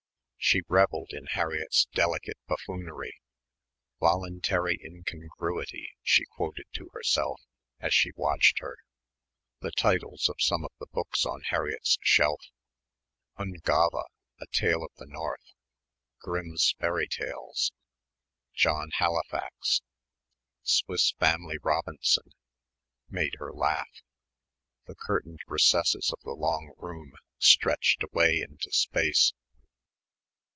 She revelled in Harriett's delicate buffoonery ("voluntary incongruity" she quoted to herself as she watched her) the titles of some of the books on Harriett's shelf, "Ungava; a Tale of the North," "Grimm's Fairy Tales," "John Halifax," "Swiss Family Robinson" made her laugh. The curtained recesses of the long room stretched away into space.